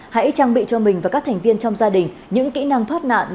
hãy trang bị cho mình và các thành viên trong gia đình những kỹ năng thoát nạn